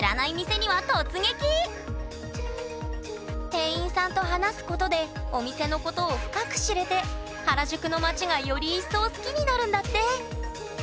店員さんと話すことでお店のことを深く知れて原宿の街がより一層好きになるんだって！